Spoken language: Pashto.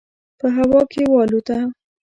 په هوا کې والوته.